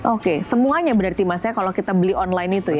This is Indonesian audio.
oke semuanya berarti mas ya kalau kita beli online itu ya